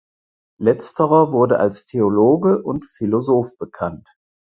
Letzterer wurde als Theologe und Philosoph bekannt.